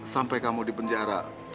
sampai kamu di penjara